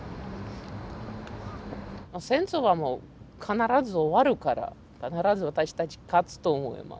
戦争はもう必ず終わるから必ず私たち勝つと思います。